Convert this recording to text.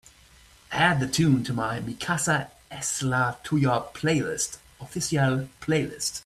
Add the tune to my Mi Casa Es La Tuya Playlist Oficial playlist.